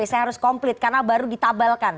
saya harus komplit karena baru ditabalkan